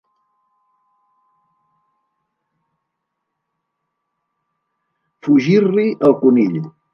Fugir-li el conill.